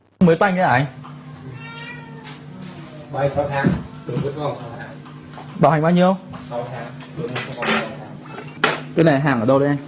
bài tạo hành sáu tháng